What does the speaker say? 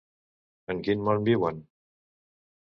En quin món viuen?